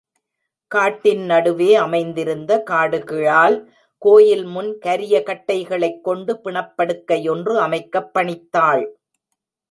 காட்டின் நடுவே அமைந்திருந்த காடுகிழாள் கோயில் முன், கரிய கட்டைகளைக் கொண்டு பிணப் படுக்கை ஒன்று அமைக்கப் பணித்தாள்.